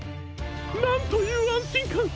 なんというあんしんかん！